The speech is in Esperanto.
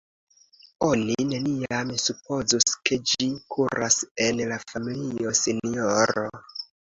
Oni neniam supozus, ke ĝi kuras en la familio, sinjoro.